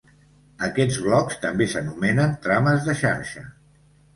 Aquests blocs també s'anomenen trames de xarxa.